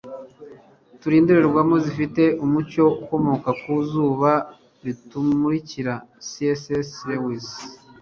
turi indorerwamo zifite umucyo ukomoka ku zuba ritumurikira - c s lewis